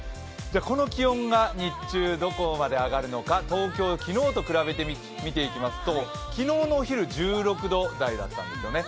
この気温が日中どこまで上がるのか、東京、昨日と比べて見ていきますと昨日のお昼１６度台だったんですよね。